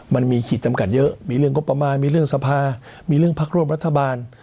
มันมีขีดจำกัดเยอะมีเรื่องงบประมาณมีเรื่องสภามีเรื่องพักร่วมรัฐบาล